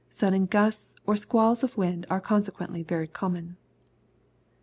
Sudden gusts, or squalls of wind are con sequently Tery common.